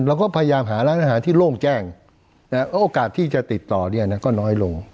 เราก็พยายามหาร้านอาหารที่โล่งแจ้งโอกาสที่จะติดต่อเนี่ยนะก็น้อยลง